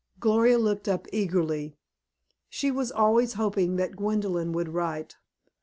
Gloria looked up eagerly. She was always hoping that Gwendolyn would write.